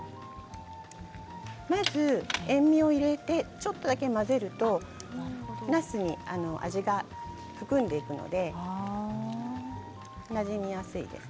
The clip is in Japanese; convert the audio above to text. まず塩みを入れてちょっとだけ混ぜるとなすに味が含んでいくのでなじみやすいです。